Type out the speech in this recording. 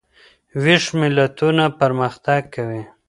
ویښ ملتونه پرمختګ کوي.